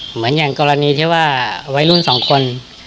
เหมือนอย่างกรณีที่ว่าวัยรุ่นสองคน